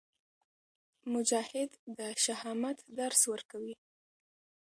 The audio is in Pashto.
مجاهد د شهامت درس ورکوي.